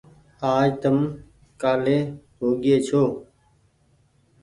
آج تم ڪآلي هوگيئي ڇو ۔